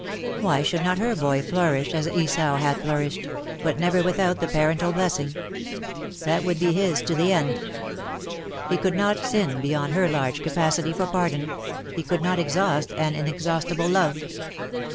Why should not her boy flourish as Esau had flourished ? but never without the parental blessing. That would be his to the end. He could not sin beyond her large capacity for pardon : he could not exhaust an inexhaustible love.